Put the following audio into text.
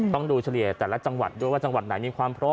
ต้องดูเฉลี่ยแต่ละจังหวัดด้วยว่าจังหวัดไหนมีความพร้อม